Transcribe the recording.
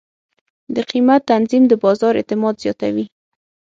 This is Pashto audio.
د قیمت تنظیم د بازار اعتماد زیاتوي.